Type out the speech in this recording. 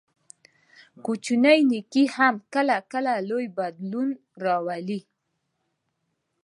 کوچنی نیکي هم کله کله لوی بدلون راولي.